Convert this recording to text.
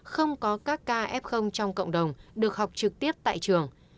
không có các ca f trong cộng đồng được học trực tiếp tại trường